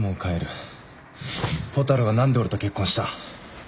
蛍は何で俺と結婚した？